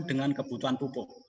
dengan kebutuhan pupuk